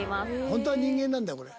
本当は人間なんだよ、これ。